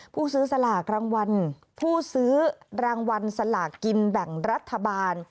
ผู้ซื้อสลากรางวัลผู้ซื้อรางวัลสลากกินแบ่งรัฐบาล